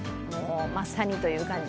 まさにという感じ。